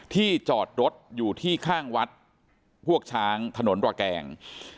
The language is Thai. จอดรถอยู่ที่ข้างวัดพวกช้างถนนรอแกง